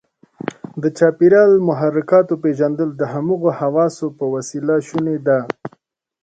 د چاپیریال محرکاتو پېژندل د همدغو حواسو په وسیله شونې ده.